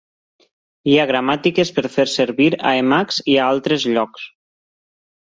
Hi ha gramàtiques per fer servir a Emacs i a altres llocs.